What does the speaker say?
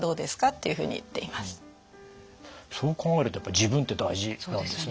そう考えるとやっぱり自分って大事なんですね。